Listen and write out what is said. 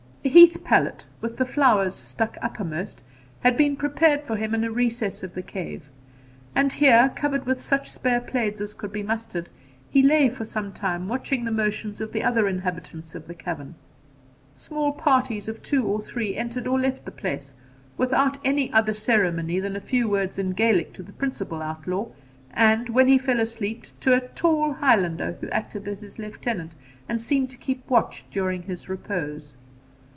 A heath pallet, with the flowers stuck uppermost, had been prepared for him in a recess of the cave, and here, covered with such spare plaids as could be mustered, he lay for some time watching the motions of the other inhabitants of the cavern. Small parties of two or three entered or left the place, without any other ceremony than a few words in Gaelic to the principal outlaw, and, when he fell asleep, to a tall Highlander who acted as his lieutenant, and seemed to keep watch during his repose.